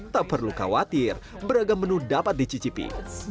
tak perlu khawatir beragam menu dapat dicicipi